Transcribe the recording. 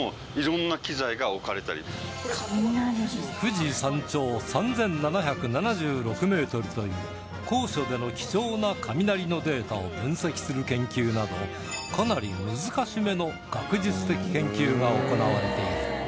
富士山頂３７７６メートルという高所での貴重な雷のデータを分析する研究などかなり難しめの学術的研究が行われている